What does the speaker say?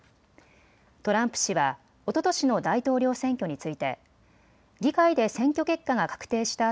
トランプ氏はおととしの大統領選挙について議会で選挙結果が確定した